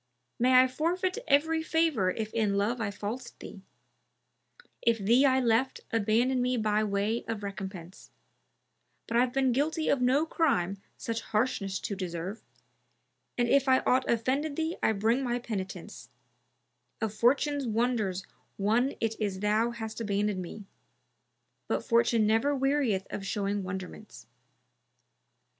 May I forfeit every favour if in love I falsed thee, * If thee I left, abandon me by way of recompense: But I've been guilty of no crime such harshness to deserve, * And if I aught offended thee I bring my penitence; Of Fortune's wonders one it is thou hast abandoned me, * But Fortune never wearieth of showing wonderments."